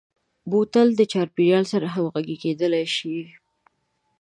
بوتل د چاپیریال سره همغږي کېدلای شي.